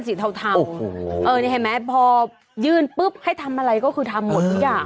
เทานี่เห็นไหมพอยื่นปุ๊บให้ทำอะไรก็คือทำหมดทุกอย่าง